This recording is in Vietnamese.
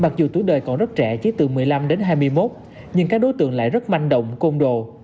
cuộc đời còn rất trẻ chứ từ một mươi năm đến hai mươi một nhưng các đối tượng lại rất manh động công đồ